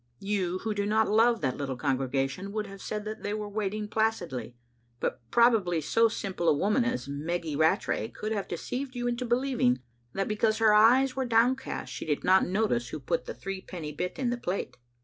You, who do not love that little congregation, would have said that they were waiting placidly. But prob ably so simple a woman as Meggy Rattray could have deceived you into believing that because her eyes were downcast she did not notice who put the three penny bit in the plate.